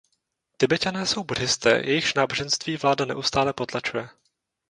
Tibeťané jsou buddhisté, jejichž náboženství vláda neustále potlačuje.